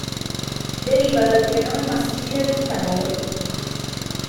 Deriva dal prenome maschile Vitale.